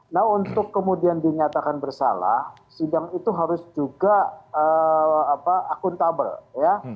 nah untuk kemudian dinyatakan bersalah sidang itu harus juga akuntabel ya